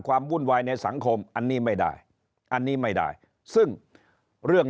วุ่นวายในสังคมอันนี้ไม่ได้อันนี้ไม่ได้ซึ่งเรื่อง